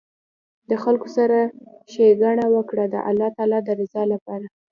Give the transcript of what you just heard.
د خلکو سره ښیګڼه وکړه د الله تعالي د رضا لپاره